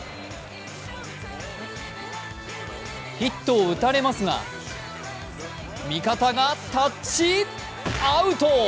ヒットを打たれますが、味方がタッチアウト。